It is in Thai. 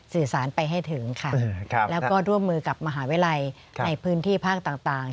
สื่อสารไปให้ถึงค่ะแล้วก็ร่วมมือกับมหาวิทยาลัยในพื้นที่ภาคต่าง